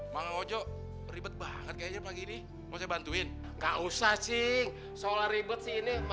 bang ojo ribet banget kayaknya pagi ini mau dibantuin gak usah sih soalnya ribet sih ini